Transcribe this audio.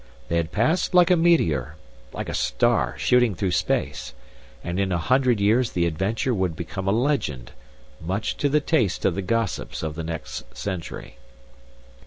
They had passed like a meteor, like a star shooting through space; and in a hundred years the adventure would become a legend, much to the taste of the gossips of the next century.